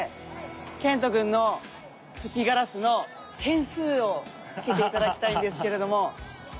健人君の吹きガラスの点数をつけて頂きたいんですけれども。